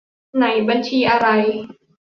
ไหน บัญชีอะไร